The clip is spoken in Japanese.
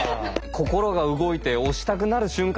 心が動いて押したくなる瞬間